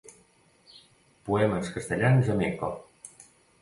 Poemes castellans amb eco.